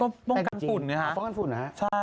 ก็ป้องกันฝุ่นเนี่ยฮะ